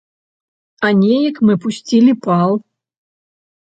А неяк мы пусцілі пал!